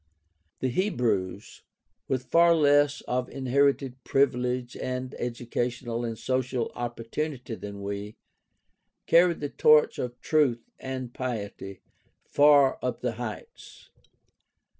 The Hebrews, with far less of inherited privilege and edu cational and social opportunity than we, carried the torch of truth and piety far up the heights.